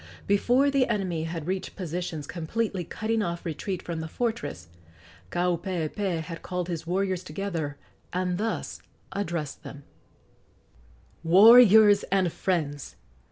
Before the enemy had reached positions completely cutting off retreat from the fortress, Kaupeepee had called his warriors together and thus addressed them: "Warriors and friends!